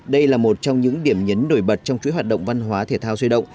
đây là một trong những điểm nhấn nổi bật trong chuỗi hoạt động văn hóa thể thao sôi động